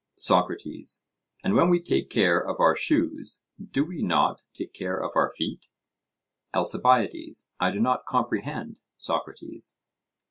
SOCRATES: And when we take care of our shoes, do we not take care of our feet? ALCIBIADES: I do not comprehend, Socrates.